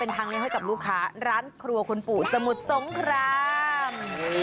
เป็นทางให้ให้กับลูกค้าร้านครัวของคุณปู่สมุดสมคราม